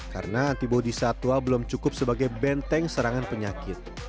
karena antibodi satwa belum cukup sebagai benteng serangan penyakit